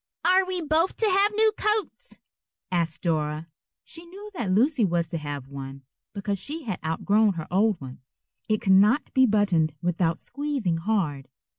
"Are we both to have new coats?" asked Dora. She knew that Lucy was to have one, because she had outgrown her old one. It could not be buttoned without squeezing hard.